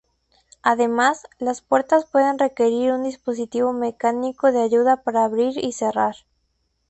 Además, las puertas pueden requerir un dispositivo mecánico de ayuda para abrir y cerrar.